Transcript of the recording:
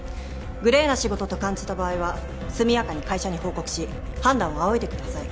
グレーな仕事と感じた場合は速やかに会社に報告し判断を仰いでください。